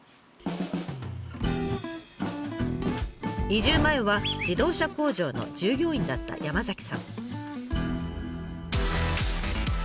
移住前は自動車工場の従業員だった山さん。